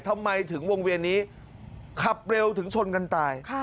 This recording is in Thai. ทำไมถึงวงเวียนนี้ขับเร็วถึงชนกันตาย